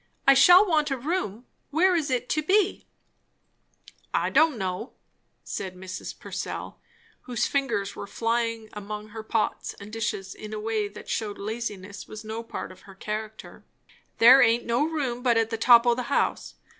"I shall want a room. Where is it to be?" "I don' know," said Mrs. Purcell, whose fingers were flying among her pots and dishes in a way that shewed laziness was no part of her character. "There aint no room but at the top o' the house.